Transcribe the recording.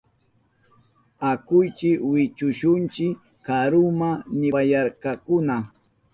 Akuychi wichushunchi karuma, nipayarkakuna.